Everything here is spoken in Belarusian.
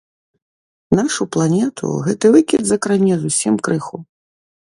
Нашу планету гэты выкід закране зусім крыху.